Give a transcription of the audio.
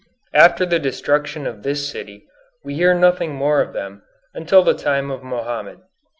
After the destruction of this city we hear nothing more of them until the time of Mohammed.